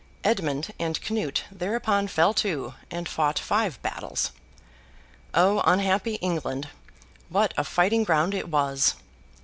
Edmund and Canute thereupon fell to, and fought five battles—O unhappy England, what a fighting ground it was!